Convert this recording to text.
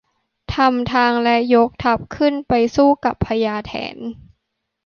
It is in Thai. ทำทางและยกทัพขึ้นไปสู้กับพญาแถน